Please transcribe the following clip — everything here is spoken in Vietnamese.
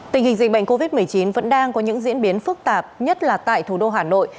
tình hình dịch bệnh covid một mươi chín vẫn đang có những diễn biến phức tạp nhất là tại thủ đô hà nội